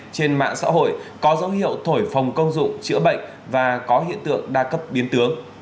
trên mạng xã hội có dấu hiệu thổi phòng công dụng chữa bệnh và có hiện tượng đa cấp biến tướng